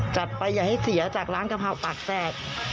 จัดไปอย่าให้เสียจากร้านกะเพราปากแจก